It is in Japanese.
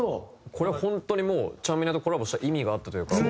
これは本当にもうちゃんみなとコラボした意味があったというか。